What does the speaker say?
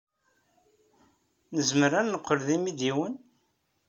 Nezmer ad neqqel d imidiwen?